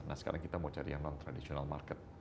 nah sekarang kita mau cari yang non traditional market